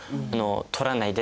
「取らないで」